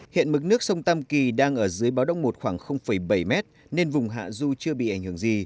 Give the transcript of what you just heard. hiện mức nước sông tam kỳ đang ở dưới báo đông một khoảng bảy m nên vùng hạ ru chưa bị ảnh hưởng gì